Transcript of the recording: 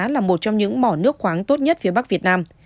là một trong những mỏ nước khoáng tốt nhất phía bắc việt nam